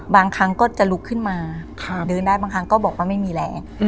บางครั้งก็จะลุกขึ้นมาเดินได้บางครั้งก็บอกว่าไม่มีแรง